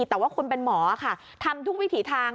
แต่ว่าคุณเป็นหมอค่ะทำทุกวิถีทาง